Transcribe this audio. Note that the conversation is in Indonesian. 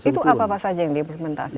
itu apa apa saja yang diimplementasikan